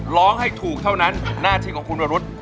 ร้องให้ถูกเท่านั้นหน้าที่ของคุณวรุษ